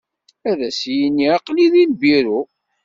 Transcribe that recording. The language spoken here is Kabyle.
Ad as-yini aqlih di lbiru.